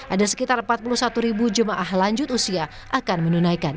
ada sekitar empat puluh satu ribu jemaah lanjut usia akan menunaikan